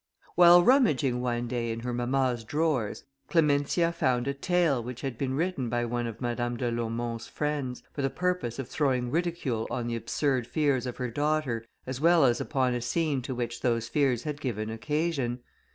While rummaging one day in her mamma's drawers, Clementia found a tale, which had been written by one of Madame de Laumont's friends, for the purpose of throwing ridicule on the absurd fears of her daughter, as well as upon a scene to which those fears had given occasion.